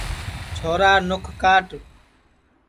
چھورا نُکھ کاٹ